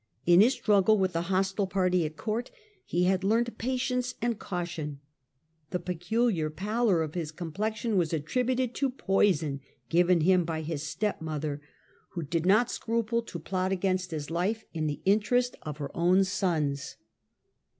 In his struggle with the hostile party at Court, he had learnt patience and caution. The peculiar pallor of his complexion was attributed to poison given him by his stepmother, who 102 THE CENTRAL PERIOD OP THE MIDDLE AGE did not scruple to plot against his life in the interests of her own sons.